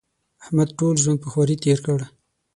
احمد ټول ژوند په خواري تېر کړ.